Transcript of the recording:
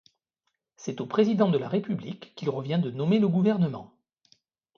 C'est au président de la République qu'il revient de nommer le gouvernement.